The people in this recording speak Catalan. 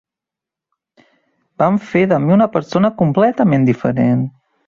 Van fer de mi una persona completament diferent.